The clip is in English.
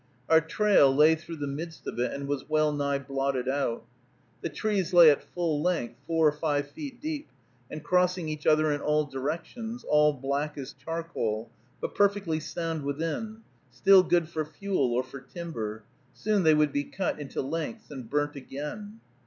Our trail lay through the midst of it, and was well nigh blotted out. The trees lay at full length, four or five feet deep, and crossing each other in all directions, all black as charcoal, but perfectly sound within, still good for fuel or for timber; soon they would be cut into lengths and burnt again.